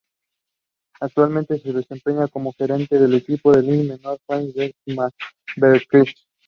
Actualmente se desempeña como gerente del equipo de liga menor "High Desert Mavericks".